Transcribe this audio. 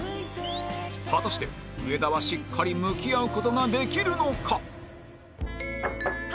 果たして上田はしっかり向き合う事ができるのか？